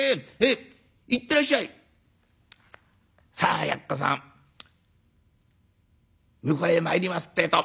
さあやっこさん向こうへ参りますってえと。